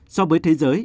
so với thế giới